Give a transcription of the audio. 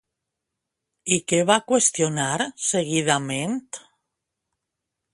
I què va qüestionar seguidament?